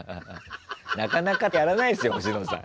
なかなかやらないですよ星野さん。